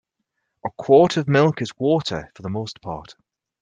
A quart of milk is water for the most part.